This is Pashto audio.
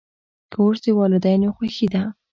کورس د والدینو خوښي ده.